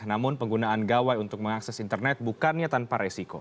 namun penggunaan gawai untuk mengakses internet bukannya tanpa resiko